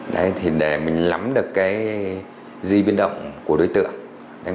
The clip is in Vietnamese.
để mình lắm được cái di biến động của đối tượng